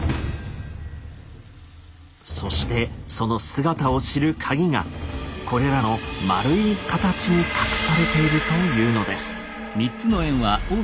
そしてその姿を知るカギがこれらの円い形に隠されているというのです。